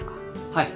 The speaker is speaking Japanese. はい。